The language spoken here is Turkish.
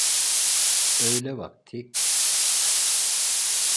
Öğle vakti.